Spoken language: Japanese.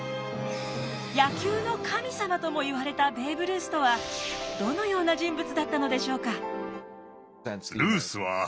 野球の神様ともいわれたベーブ・ルースとはどのような人物だったのでしょうか？